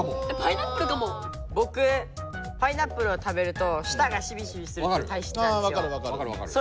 ぼくパイナップルを食べると舌がシビシビするたいしつなんですよ。